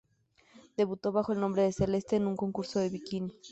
Debutó bajo el nombre de Celeste, en un concurso de bikini.